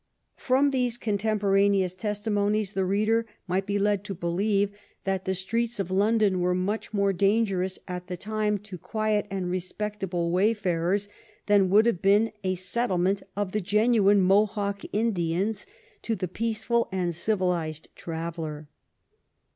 From these contemporaneous testimonies the reader might be led to believe that the streets of London were much more dangerous at the time to quiet and re spectable wayfarers than would have been a settlement of the genuine Mohawk Indians to the peaceful and civilized traveller.